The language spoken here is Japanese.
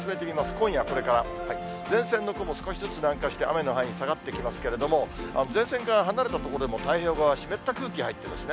今夜これから、前線の雲、少しずつ南下して、雨の範囲、下がってきますけれども、前線から離れた所でも、太平洋側、湿った空気入ってくるんですね。